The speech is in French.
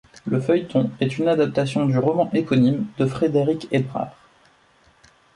Le feuilleton est une adaptation du roman éponyme de Frédérique Hébrard.